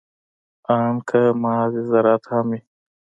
ان که محض زراعت هم وي.